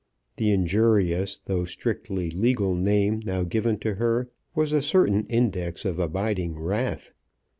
The injurious though strictly legal name now given to her was a certain index of abiding wrath.